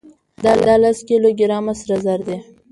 دا لس کيلو ګرامه سره زر دي.